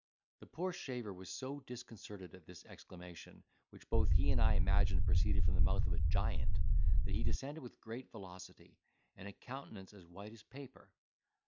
The poor shaver was so disconcerted at this exclamation, which both he and I imagined proceeded from the mouth of a giant, that he descended with great velocity and a countenance as white as paper.